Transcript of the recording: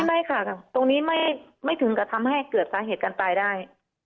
ไม่ค่ะตรงนี้ไม่ถึงกับทำให้เกิดสาเหตุการตายได้